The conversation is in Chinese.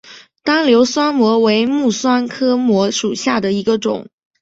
单瘤酸模为蓼科酸模属下的一个种。